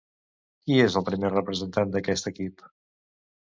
Qui és el primer representant d'aquest equip?